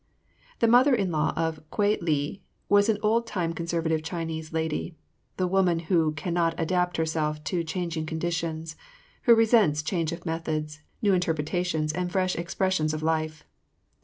The mother in law of Kwei li was an old time conservative Chinese lady, the woman who cannot adapt herself to the changing conditions, who resents change of methods, new interpretations and fresh expressions of life.